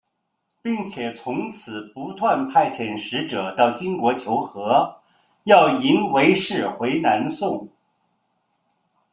并且从此不断派遣使者到金国求和要迎韦氏回南宋。